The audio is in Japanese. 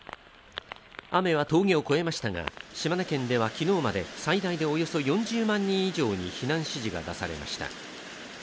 雨は峠を越えましたが、島根県では昨日まで最大でおよそ４０万人以上に避難指示が出されました。